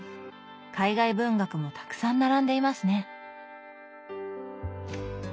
海外文学もたくさん並んでいますね。